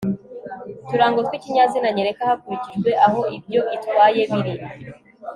uturango tw ikinyazina nyereka hakurikijwe aho ibyo itwaye biri